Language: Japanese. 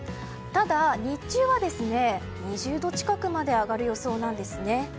ただ、日中は２０度近くまで上がる予想なんですね。